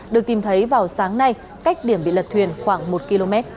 được tìm thấy vào sáng nay cách điểm bị lật thuyền khoảng một km